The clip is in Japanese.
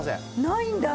ないんだ！